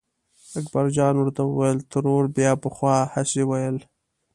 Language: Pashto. اکبرجان ورته وویل ترور بیا پخوا هسې ویل.